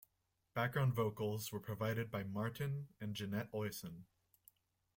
Background vocals were provided by Martin and Jeanette Oison.